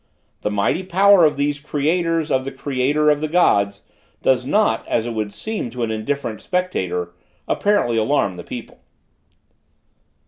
The mighty power of these creators of the creator of the gods, does not, as it would seem to an indifferent spectator, apparently alarm the people.